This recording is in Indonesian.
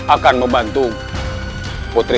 akan membantu putri